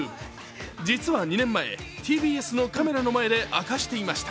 実は２年前、ＴＢＳのカメラの前で明かしていました。